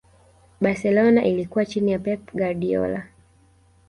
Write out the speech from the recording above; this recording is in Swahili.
barcelona ilikuwa chini ya pep guardiola